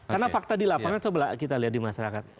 karena fakta di lapangan coba kita lihat di masyarakat